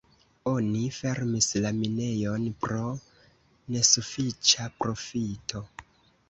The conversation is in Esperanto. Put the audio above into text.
Oni fermis la minejon pro nesufiĉa profito.